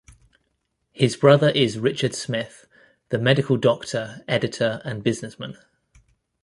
His brother is Richard Smith, the medical doctor, editor and businessman.